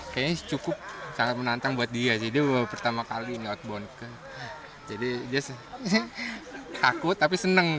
kayaknya cukup sangat menantang buat dia sih dia pertama kali not bonker jadi dia takut tapi seneng